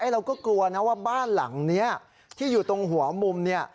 เราก็กลัวนะว่าบ้านหลังนี้ที่อยู่ตรงหัวมุมเนี่ย